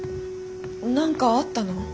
何かあったの？